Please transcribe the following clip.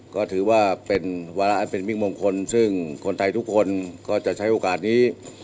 ก็ถือว่าเป็นวาระอันเป็นมิ่งมงคลซึ่งคนไทยทุกคนก็จะใช้โอกาสนี้